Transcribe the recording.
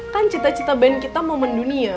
kan cita cita band kita momen dunia